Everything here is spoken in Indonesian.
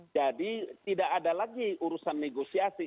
jadi tidak ada lagi urusan negosiasi